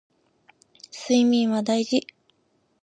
睡眠は大事